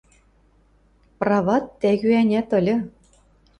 – Прават тӓгӱ-ӓнят ыльы.